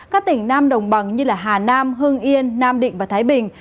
các tỉnh nam đồng bằng như hà nam hưng yên nam định và thái bình